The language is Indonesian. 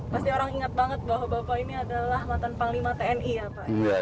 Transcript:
pasti orang ingat banget bahwa bapak ini adalah mantan panglima tni ya pak